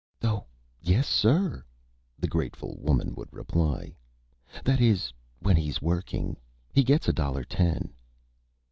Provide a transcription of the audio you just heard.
"Oh, yes, sir," the grateful Woman would reply. "That is, when he's working. He gets a Dollar Ten."